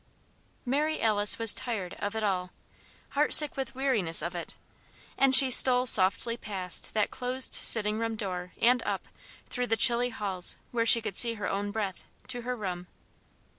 Mary Alice was tired of it all heartsick with weariness of it and she stole softly past that closed sitting room door and up, through the chilly halls where she could see her own breath, to her room.